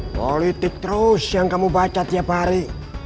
politik terus yang kamu baca tiap hari